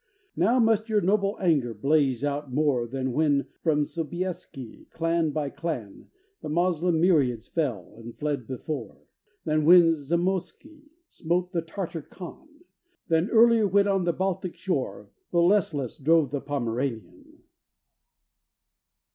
Now must your noble anger blaze out more Than when from Sobieski, clan by clan, The Moslem myriads fell, and fled before Than when Zamoysky smote the Tartar Khan, Than earlier, when on the Baltic shore Boleslas drove the Pomeranian.